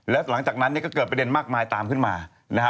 แล้วหลังจากนั้นเนี่ยก็เกิดประเด็นมากมายตามขึ้นมานะฮะ